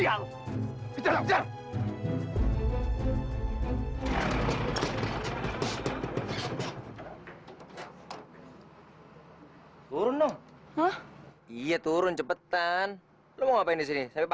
hai turun oh iya turun cepetan lu ngapain disini pagi disini